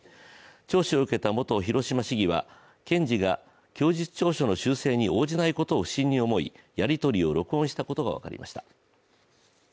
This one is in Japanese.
聴取を受けた元広島市議は、検事が供述調書の修正に応じないことを不審に思い、やりとりを録音したことが分かりました。